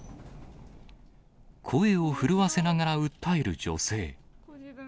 声を震わせながら訴える女性。